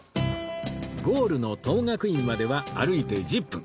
ゴールの等覚院までは歩いて１０分